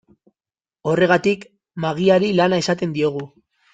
Horregatik, magiari lana esaten diogu.